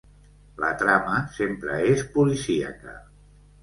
La trama sempre és policíaca.